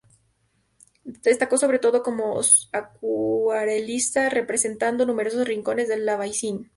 Destacó sobre todo como acuarelista representando numerosos rincones del Albaicín.